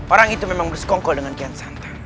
orang itu memang bersekongkol dengan kian santan